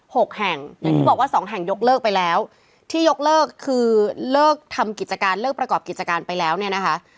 หกแห่งอย่างที่บอกว่าสองแห่งยกเลิกไปแล้วที่ยกเลิกคือเลิกทำกิจการเลิกประกอบกิจการไปแล้วเนี่ยนะคะ